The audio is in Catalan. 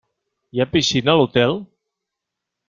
Hi ha piscina a l'hotel?